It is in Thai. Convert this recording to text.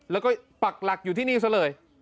แล้วก็ปักหลักอยู่ที่นี่ซะเลย